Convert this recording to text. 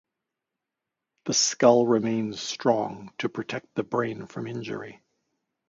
The skull remains strong to protect the brain from injury.